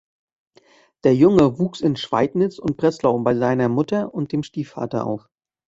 Der Junge wuchs in Schweidnitz und Breslau bei seiner Mutter und dem Stiefvater auf.